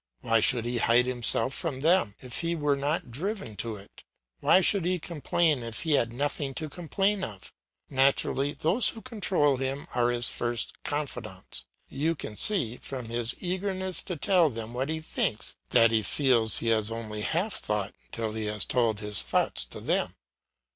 Why should he hide himself from them if he were not driven to it? Why should he complain if he had nothing to complain of? Naturally those who control him are his first confidants; you can see from his eagerness to tell them what he thinks that he feels he has only half thought till he has told his thoughts to them.